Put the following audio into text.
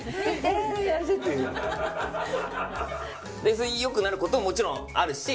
それでよくなることももちろんあるし。